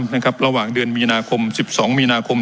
ในเดือนมีนาคม๑๒มีนาคม